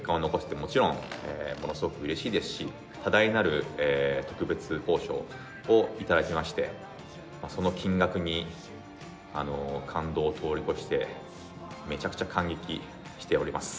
もちろんものすごくうれしいですし、多大なる特別報奨を頂きまして、その金額に感動を通り越してめちゃくちゃ感激しております。